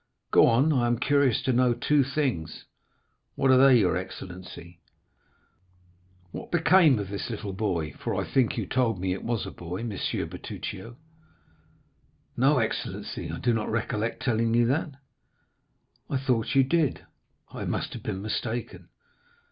"Go on, I am curious to know two things." "What are they, your excellency?" "What became of this little boy? for I think you told me it was a boy, M. Bertuccio." "No excellency, I do not recollect telling you that." "I thought you did; I must have been mistaken."